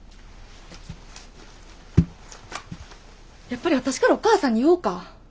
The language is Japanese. やっぱり私からお母さんに言おか。